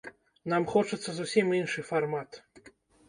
Нам хочацца зусім іншы фармат.